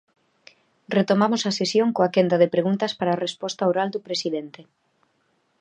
Retomamos a sesión coa quenda de preguntas para resposta oral do presidente.